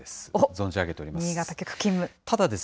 存じ上げております。